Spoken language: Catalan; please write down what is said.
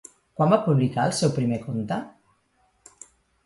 Quan va publicar el seu primer conte?